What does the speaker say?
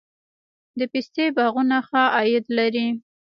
د پستې باغونه ښه عاید لري؟